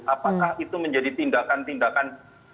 apakah itu menjadi tindakan tindakan